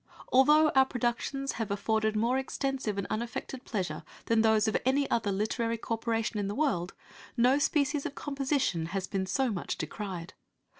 Although our productions have afforded more extensive and unaffected pleasure than those of any other literary corporation in the world, no species of composition has been so much decried.